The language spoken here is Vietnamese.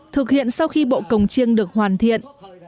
thực hiện sau khi bộ cồng chiêng được hoàn thiện